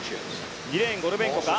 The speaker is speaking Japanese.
２レーン、ゴルベンコか。